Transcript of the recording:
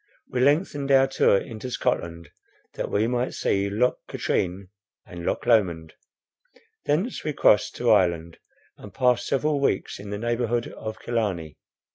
We lengthened our tour into Scotland, that we might see Loch Katrine and Loch Lomond; thence we crossed to Ireland, and passed several weeks in the neighbourhood of Killarney.